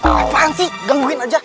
apaan sih gangguin aja